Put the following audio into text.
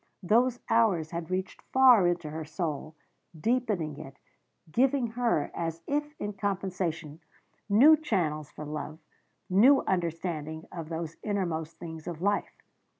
Those hours had reached far into her soul, deepening it, giving her, as if in compensation, new channels for love, new understanding of those innermost things of life.